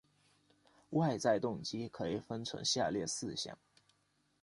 外在动机可以分成下列四项